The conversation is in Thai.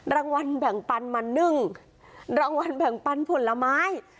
รางวัลแบ่งปันมา๑รางวัลแบ่งปันผลไม้